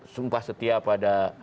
sumpah setia pada